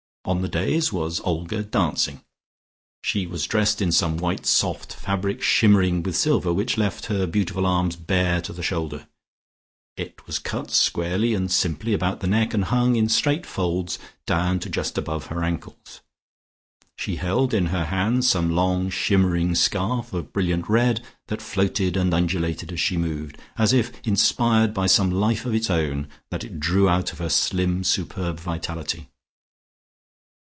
On the dais was Olga dancing. She was dressed in some white soft fabric shimmering with silver, which left her beautiful arms bare to the shoulder. It was cut squarely and simply about the neck, and hung in straight folds down to just above her ankles. She held in her hands some long shimmering scarf of brilliant red, that floated and undulated as she moved, as if inspired by some life of its own that it drew out of her slim superb vitality.